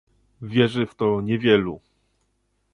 Wierzy w to niewielu